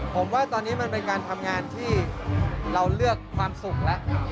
ผมว่าตอนนี้มันเป็นการทำงานที่เราเลือกความสุขแล้ว